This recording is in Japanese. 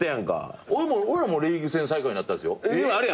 俺らもリーグ戦最下位になったんですよ。